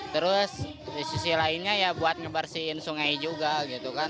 terus di sisi lainnya ya buat ngebersihin sungai juga gitu kan